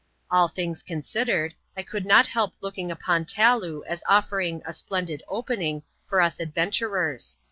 All things considered, I could not help looking upon Taloo as offering "a splendid opening" for us adventurers.